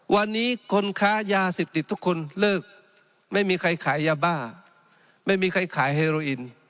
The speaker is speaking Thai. วันนี้คนค้ายาเสพติดทุกคนเลิกไม่มีใครขายยาบ้าไม่มีใครขายเฮโรอิน